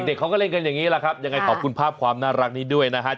เด็กเขาก็เล่นกันอย่างนี้แหละครับยังไงขอบคุณภาพความน่ารักนี้ด้วยนะครับ